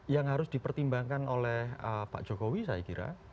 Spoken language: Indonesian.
yang harus dipertimbangkan oleh pak jokowi saya kira